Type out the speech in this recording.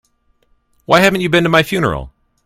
Why haven't you been to my funeral?